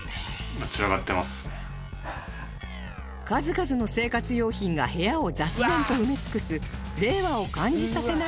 数々の生活用品が部屋を雑然と埋め尽くす令和を感じさせないライフスタイルです